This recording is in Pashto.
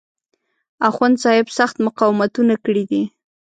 اخوندصاحب سخت مقاومتونه کړي دي.